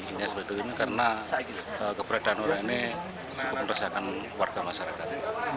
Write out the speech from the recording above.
hanya sebetulnya karena keberadaan orang ini merusakkan warga masyarakat